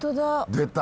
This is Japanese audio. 出た。